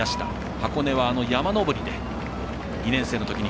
箱根は、山登りで２年生のときに